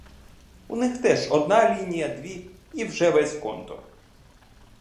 У них теж одна лінія, дві — і вже весь контур.